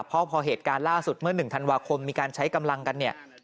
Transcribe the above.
เพราะพอเหตุการณ์ล่าสุดเมื่อ๑ธันวาคมมีการใช้กำลังกันเนี่ย